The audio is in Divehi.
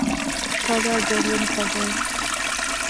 ކަލާ ގެއްލުނު ފަދައިން